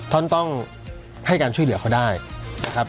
ท่านต้องให้การช่วยเหลือเขาได้นะครับ